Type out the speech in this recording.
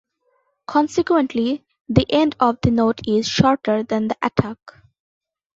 Consequently, the end of the note is softer than the attack.